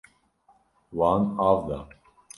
Wan av da.